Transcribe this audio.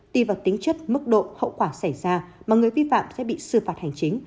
tùy vào tính chất mức độ hậu quả xảy ra mà người vi phạm sẽ bị xử phạt hành chính